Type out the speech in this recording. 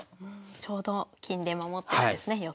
ちょうど金で守ってるんですね